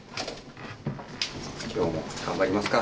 今日も頑張りますか。